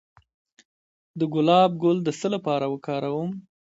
د ګلاب ګل د څه لپاره وکاروم؟